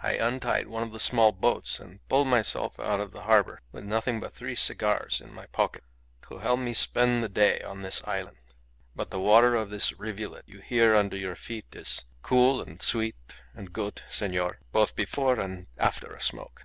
I untied one of the small boats and pulled myself out of the harbour with nothing but three cigars in my pocket to help me spend the day on this island. But the water of this rivulet you hear under your feet is cool and sweet and good, senor, both before and after a smoke."